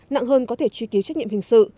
nặng hơn có thể truy cứu trách nhiệm hình sự